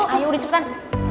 ayo udah cepetan